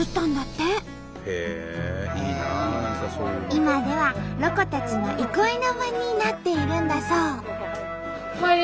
今ではロコたちの憩いの場になっているんだそう。